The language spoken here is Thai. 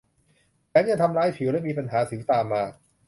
แถมยังทำร้ายผิวและมีปัญหาสิวตามมา